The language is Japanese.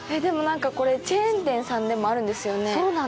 チェーン店さんでもあるんですよね。